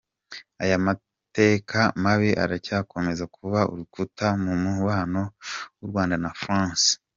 Aya mateka mabi aracyakomeza kuba urukuta mu mubano w’u Rwanda na France.